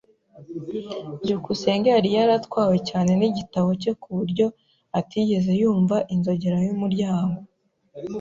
byukusenge yari yaratwawe cyane nigitabo cye kuburyo atigeze yumva inzogera yumuryango.